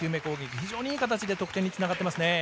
非常にいい形で得点に繋がっていますね。